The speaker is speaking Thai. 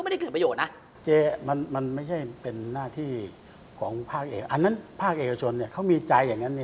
เป็นหน้าที่ของภาครัฐอันนั้นภาครัฐเอกชนเขามีใจอย่างนั้น